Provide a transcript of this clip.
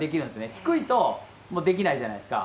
低いともうできないじゃないですか。